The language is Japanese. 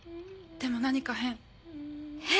でも何か変。